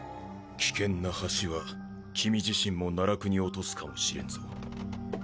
危険な橋は君自身も奈落に落とすかもしれんぞ。